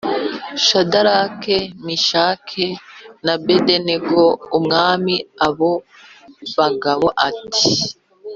Shadaraki Meshaki na Abedenego mwami abo bagabo nti